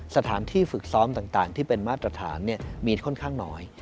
สถานที่ฝึกซ้อมต่างที่เป็นมาตรฐานมีค่อนข้างน้อย